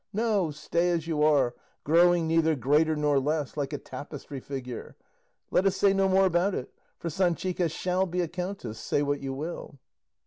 No, stay as you are, growing neither greater nor less, like a tapestry figure Let us say no more about it, for Sanchica shall be a countess, say what you will."